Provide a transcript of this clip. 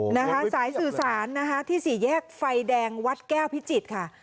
โอ้โหสายสื่อสารที่สี่แยกไฟแดงวัดแก้วพิจิตค่ะ